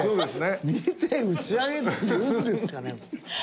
見て打ち上げっていうんですかね？